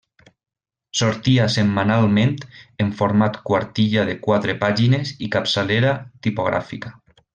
Sortia setmanalment en format quartilla de quatre pàgines i capçalera tipogràfica.